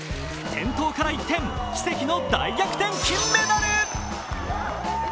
転倒から一転、奇跡の大逆転金メダル。